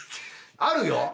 あるよ。